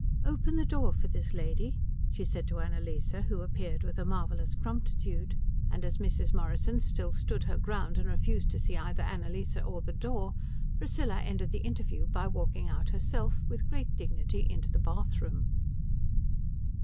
"Open the door for this lady," she said to Annalise, who appeared with a marvellous promptitude; and as Mrs. Morrison still stood her ground and refused to see either Annalise or the door Priscilla ended the interview by walking out herself, with great dignity, into the bathroom.